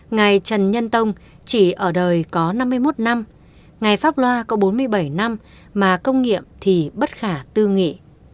ngài trần nhân tông chỉ ở đời có năm mươi một năm ngài pháp loa có bốn mươi bảy năm mà công nghiệm thì bất khả tư nghị